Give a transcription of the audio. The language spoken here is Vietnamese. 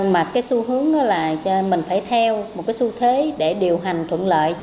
mà cái xu hướng là mình phải theo một cái xu thế để điều hành thuận lợi